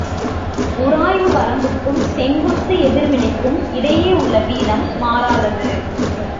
உராய்வு வரம்புக்கும் செங்குத்து எதிர் வினைக்கும் இடையே உள்ள வீதம் மாறாதது.